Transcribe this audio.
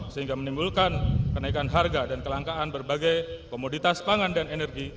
sehingga menimbulkan kenaikan harga dan kelangkaan berbagai komoditas pangan dan energi